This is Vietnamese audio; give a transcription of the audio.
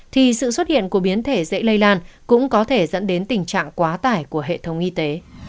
thì sự xuất hiện của biến thể dễ lây lan cũng có thể dẫn đến tình trạng quá tải của hệ thống y tế